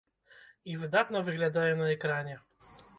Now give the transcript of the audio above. І выдатна выглядаю на экране!